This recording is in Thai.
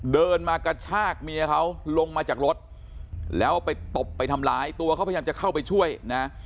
เดินมากระชากเมียเขาลงมาจากรถแล้วไปตบไปทำร้ายตัวเขาพยายามจะเข้าไปช่วยนะ